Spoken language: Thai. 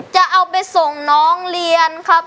จะเอาไปส่งน้องเรียนครับ